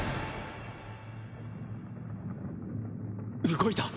動いた。